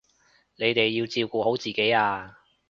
你哋要照顧好自己啊